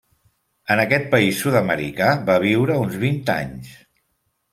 En aquest país sud-americà va viure uns vint anys.